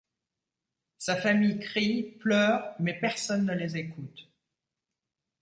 Sa famille crie, pleure, mais personne ne les écoute.